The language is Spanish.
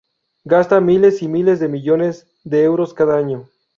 Gastan miles y miles de millones de euros cada año